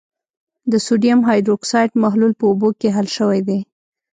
د سوډیم هایدروکسایډ محلول په اوبو کې حل شوی دی.